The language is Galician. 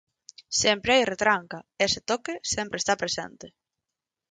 Sempre hai retranca, ese toque sempre está presente.